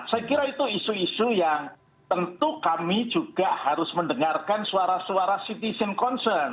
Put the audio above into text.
saya kira itu isu isu yang tentu kami juga harus mendengarkan suara suara citizen concern